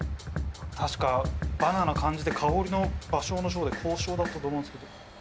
確かバナナ漢字で香りの芭蕉の蕉で「香蕉」だったと思うんですけど。